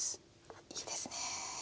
いいですね。